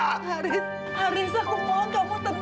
haris haris aku mohon kamu tenang